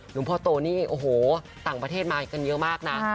หลวงพ่อโตนี่โอ้โหต่างประเทศมากันเยอะมากนะ